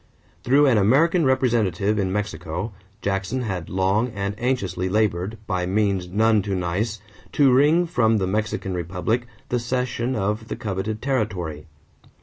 Through an American representative in Mexico, Jackson had long and anxiously labored, by means none too nice, to wring from the Mexican republic the cession of the coveted territory.